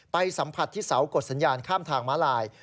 สัมผัสที่เสากดสัญญาณข้ามทางม้าลาย